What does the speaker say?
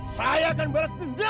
saya akan balas dendam